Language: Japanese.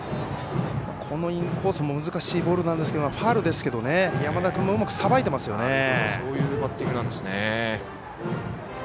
このインコースも難しいボールなんですけどファウルですけど山田君もうまくさばいていますね。